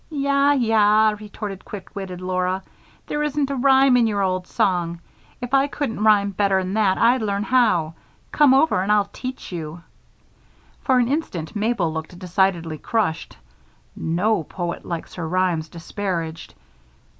"Yah! yah!" retorted quick witted Laura. "There isn't a rhyme in your old song. If I couldn't rhyme better 'n that, I'd learn how. Come over and I'll teach you!" For an instant, Mabel looked decidedly crushed no poet likes his rhymes disparaged.